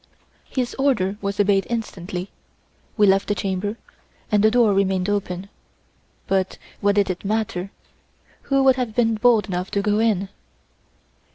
His order was obeyed instantly; we left the chamber, and the door remained open. But what did it matter? Who would have been bold enough to go in?